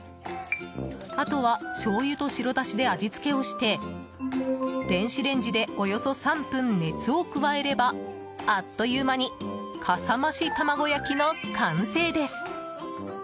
あとは、しょうゆと白だしで味付けをして電子レンジでおよそ３分、熱を加えればあっという間にかさまし卵焼きの完成です。